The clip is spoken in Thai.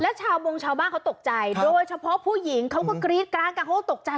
ชาวบงชาวบ้านเขาตกใจโดยเฉพาะผู้หญิงเขาก็กรี๊ดกราดกันเขาก็ตกใจ